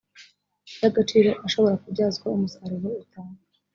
y agaciro ashobora kubyazwa umusaruro utanga